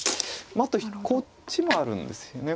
あとこっちもあるんですよね。